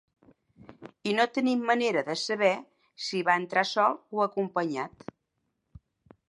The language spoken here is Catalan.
I no tenim manera de saber si hi va entrar sol o acompanyat.